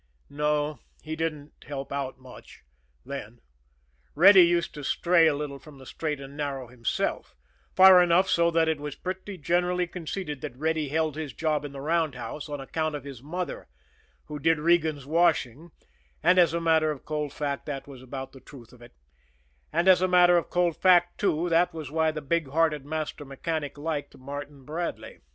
No; he didn't help out much then. Reddy used to stray a little from the straight and narrow himself far enough so that it was pretty generally conceded that Reddy held his job in the roundhouse on account of his mother, who did Regan's washing; and, as a matter of cold fact, that was about the truth of it; and, as a matter of cold fact, too, that was why the big hearted master mechanic liked Martin Bradley.